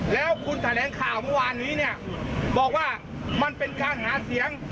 แล้วคุณแถลงข่าวเมื่อวานนี้เนี่ยบอกว่ามันเป็นการหาเสียง